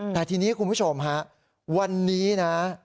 แต่ทีนี้คุณผู้ชมฮะวันนี้นะ